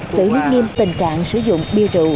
xử lý nghiêm tình trạng sử dụng bia rượu